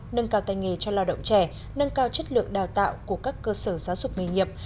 nâng cao tay nghề cho lao động trẻ nâng cao chất lượng đào tạo của các cơ sở giáo dục nghề nghiệp